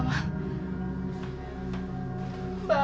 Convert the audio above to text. jangan meng obviously